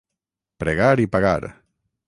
Pregar i pagar.